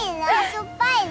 しょっぱいの？